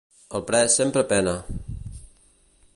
El pres sempre pena.